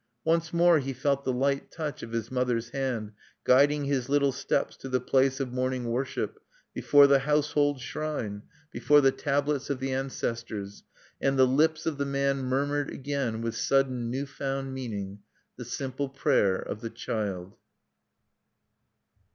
Once more he felt the light touch of his mother's hand guiding his little steps to the place of morning worship, before the household shrine, before the tablets of the ancestors; and the lips of the man murmured again, with sudden new found meaning, the simple prayer of the child.